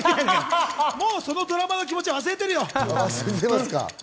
もうそのドラマの気持ちは忘れてるよ。